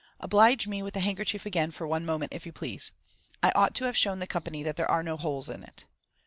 Oblige me with the handkerchief again for one moment, if you please. I ought to have shown the company that there are no holes in it."